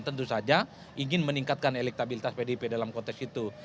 tentu saja ingin meningkatkan elektabilitas pdip dalam konteks itu